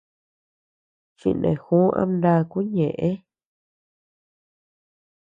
Chineju ama ndakuu ñeʼe.